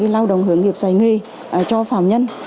lao động hướng nghiệp dạy nghề cho phạm nhân